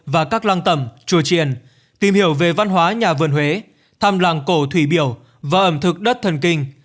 và các lăng tầm chùa triền tìm hiểu về văn hóa nhà vườn huế thăm làng cổ thủy biều và ẩm thực đất thần kinh